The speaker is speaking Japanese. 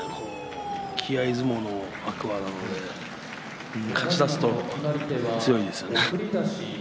気合い相撲の天空海なので勝ちだすと強いですね。